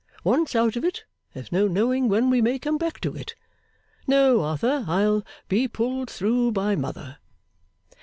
Once out of it, there's no knowing when we may come back to it. No, Arthur, I'll be pulled through by Mother.